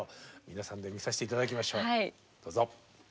皆さんで見させて頂きましょうどうぞ。